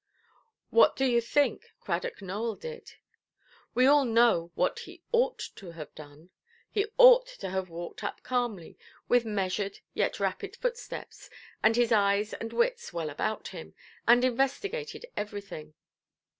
What do you think Cradock Nowell did? We all know what he ought to have done. He ought to have walked up calmly, with measured yet rapid footsteps, and his eyes and wits well about him, and investigated everything.